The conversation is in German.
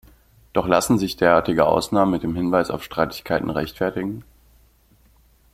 Doch lassen sich derartige Ausnahmen mit dem Hinweis auf Streitigkeiten rechtfertigen?